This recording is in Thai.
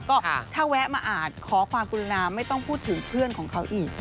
ก็ถ้าแวะมาอ่านขอความกรุณาไม่ต้องพูดถึงเพื่อนของเขาอีก